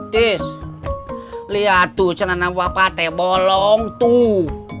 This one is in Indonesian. tis liat tuh celana bapak te bolong tuh